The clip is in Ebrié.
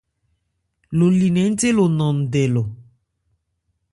Lo li nnɛn ńthé lo nan ndɛ lɔ.